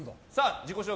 自己紹介